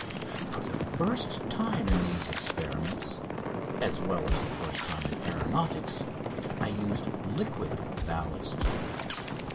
For the first time in these experiments, as well as the first time in aeronautics, I used liquid ballast.